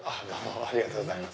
ありがとうございます。